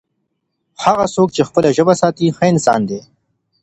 هغه څوک چي خپله ژبه ساتي، ښه انسان دی.